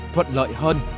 thuận lợi hơn